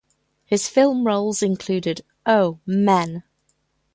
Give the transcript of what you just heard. His film roles included Oh, Men!